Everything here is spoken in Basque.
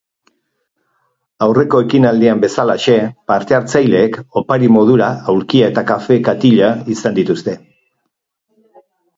Aurreko ekinaldian bezalaxe partehartzaileek opari modura aulkia eta kafe katila izan dituzte.